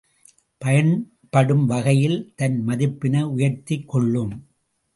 பயன்படும் வகையால் தன் மதிப்பினை உயர்த்திக் கொள்ளும்.